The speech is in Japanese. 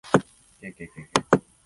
kkk